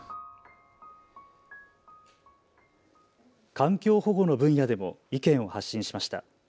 環境保護の分野でも意見を発信しました。